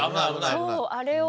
そうあれを。